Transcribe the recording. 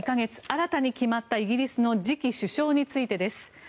新たに決まった、イギリスの次期首相についてです。